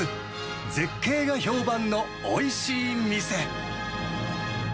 絶景が評判のおいしい店。